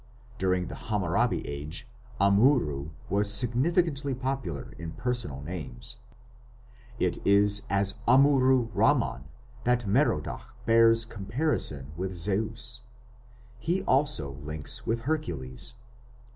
During the Hammurabi Age Amurru was significantly popular in personal names. It is as Amurru Ramman that Merodach bears comparison with Zeus. He also links with Hercules.